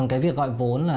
cái việc gọi vốn là